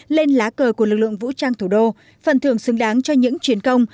lên lá cờ của lực lượng vũ trang thủ đô phần thưởng xứng đáng cho những chiến công